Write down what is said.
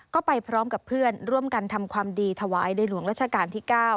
ก็ไปพร้อมกับเพื่อนร่วมกันทำความดีถวายในหลวงราชการที่๙